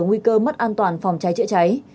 nguy cơ mất an toàn phòng cháy chữa cháy